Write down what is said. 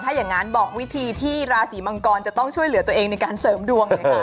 ถ้าอย่างนั้นบอกวิธีที่ราศีมังกรจะต้องช่วยเหลือตัวเองในการเสริมดวงหน่อยค่ะ